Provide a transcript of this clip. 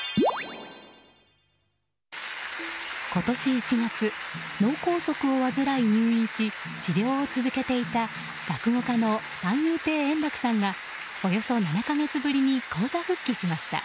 今年１月脳梗塞を患い入院し治療を続けていた落語家の三遊亭円楽さんがおよそ７か月ぶりに高座復帰しました。